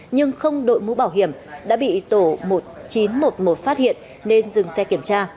nhưng không đội mũ bảo hiểm đã bị tổ chín trăm một mươi một phát hiện nên dừng xe kiểm tra